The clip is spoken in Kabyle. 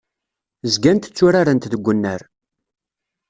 Zgant tturarent deg unnar.